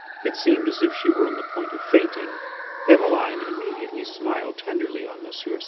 It seemed as if she were on the point of fainting. Eveline immediately smiled tenderly on M. Cérès.